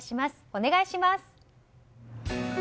お願いします。